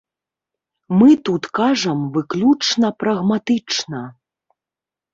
Мы тут кажам выключна прагматычна.